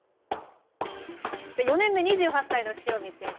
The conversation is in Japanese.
４年目２８歳の塩見選手。